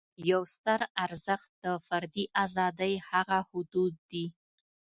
یو ستر ارزښت د فردي آزادۍ هغه حدود دي.